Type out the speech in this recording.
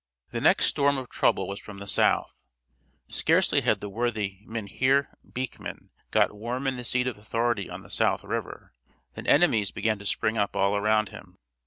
The next storm of trouble was from the south. Scarcely had the worthy Mynheer Beekman got warm in the seat of authority on the South River, than enemies began to spring up all around him.